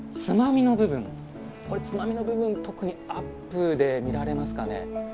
これつまみの部分特にアップで見られますかね？